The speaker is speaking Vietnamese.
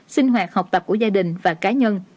sinh hoạt học tập của gia đình và cá nhân